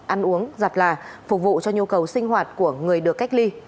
ăn uống giặt là phục vụ cho nhu cầu sinh hoạt của người được cách ly